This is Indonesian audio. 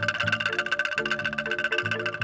itu semuanya dari kita